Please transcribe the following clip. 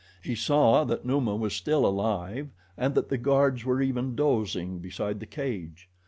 He saw that Numa was still alive and that the guards were even dozing beside the cage.